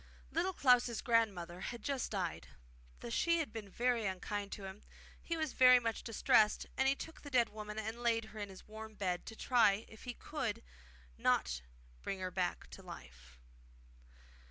Little Klaus' grandmother had just died. Though she had been very unkind to him, he was very much distressed, and he took the dead woman and laid her in his warm bed to try if he could not bring her back to life.